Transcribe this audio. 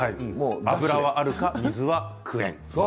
油はあるか水はクエン。